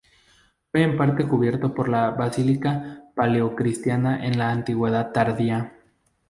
Fue en parte cubierto por la basílica paleocristiana en la Antigüedad tardía.